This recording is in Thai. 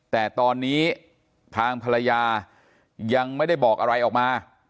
แต่ตอนนี้ทางภรรยายังไม่ได้บอกอะไรออกมา